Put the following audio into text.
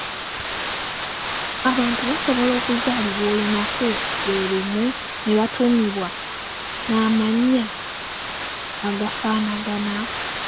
Abantu basobola okuzaalibwa olunaku lwe lumu ne batuumibwa n'amannya agafaanagana?